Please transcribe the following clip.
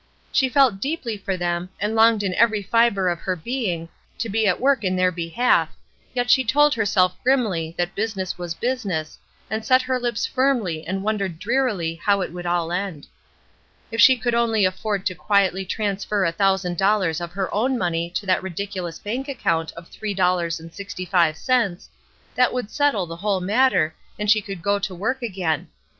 She felt deeply for them, and longed in every fibre of her being to be at work in their behalf, yet she told herself grimly that business was business, and set her lips firmly and wondered drearily how it would all end. If she could only afford to quietly transfer a thousand dollars of her own money to that ridiculous bank account of three dollars and sixty five cents, that would settle the whole matter and she could go to work again.